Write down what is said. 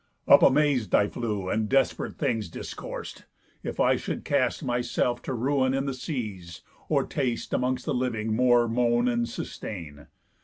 Up amaz'd I flew, And desp'rate things discours'd; if I should cast Myself to ruin in the seas, or taste Amongst the living more moan, and sustain?